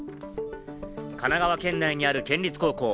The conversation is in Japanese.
神奈川県内にある県立高校。